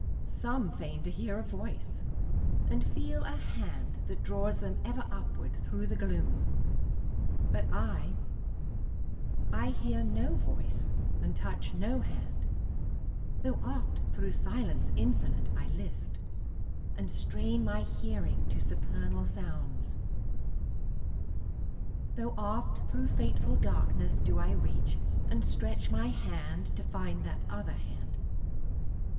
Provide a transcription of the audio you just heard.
Some feign to hear a voice and feel a hand That draws them ever upward thro' the gloom. But I I hear no voice and touch no hand, Tho' oft thro' silence infinite I list, And strain my hearing to supernal sounds; Tho' oft thro' fateful darkness do I reach, And stretch my hand to find that other hand.